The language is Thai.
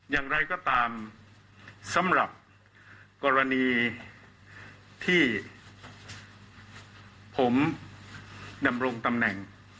อย่างไรก็ตามสำหรับกรณีที่ผมดำรงตำแหน่ง